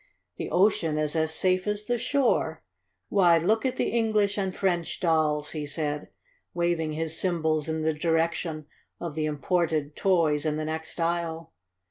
"The ocean is as safe as the shore. Why, look at the English and French dolls," he said, waving his cymbals in the direction of the imported toys in the next aisle.